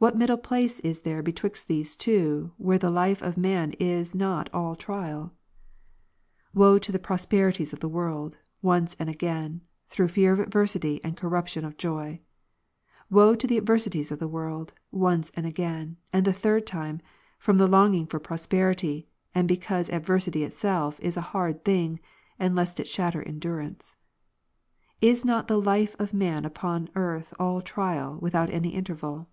W^hat middle place is there betwixt these two, where the life of man is not all trial ? W^oe to the prosperities of the world, once and again, through fear of adversity, and cor ruption of joy ! Woe to the adversities of the world, once and again, and the third time, from the longing for pros perity, and because adversity itself is a hard thing, and lest it shatter endurance. Is not the life of man upon earth all trial, without any interval